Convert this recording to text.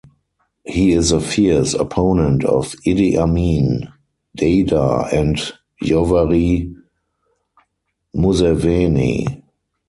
He is a fierce opponent of Idi Amin Dada and Yoweri Museveni.